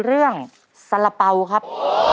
เรื่องสระเป๋าครับ